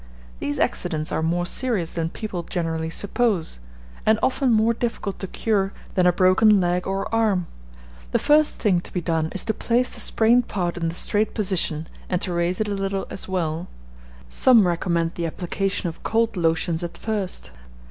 These accidents are more serious than people generally suppose, and often more difficult to cure than a broken log or arm. The first thing to be done is to place the sprained part in the straight position, and to raise it a little as well. Some recommend the application of cold lotions at first.